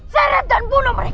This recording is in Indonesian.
seret dan bunuh mereka